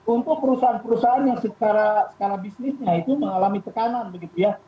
untuk perusahaan perusahaan yang secara skala bisnisnya itu mengalami tekanan begitu ya